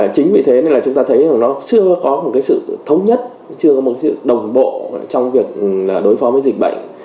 chính vì thế nên là chúng ta thấy là nó chưa có một sự thống nhất chưa có một sự đồng bộ trong việc đối phó với dịch bệnh